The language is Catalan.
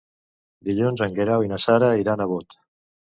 Dilluns en Guerau i na Sara iran a Bot.